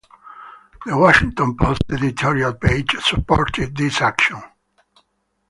The Washington Post editorial page supported this action.